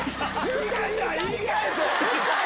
福ちゃん言い返せ！